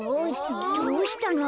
どうしたの？